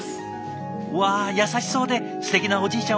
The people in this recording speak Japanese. うわ優しそうですてきなおじいちゃん